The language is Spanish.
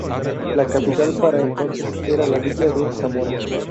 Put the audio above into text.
La Capital por entonces era la "Villa de Zamora".